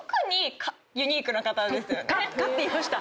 「か」って言いました。